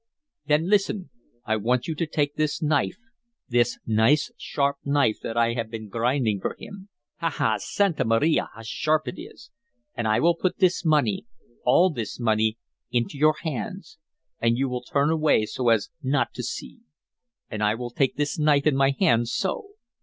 "Then listen. I want to take this knife, this nice, sharp knife that I have been grinding for him. Ha! ha! Santa Maria, how sharp it is! And I will put this money, all this money, into your hands and you will turn away so as not to see. And I will take this knife in my hand so.